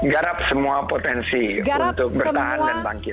garap semua potensi untuk bertahan dan bangkit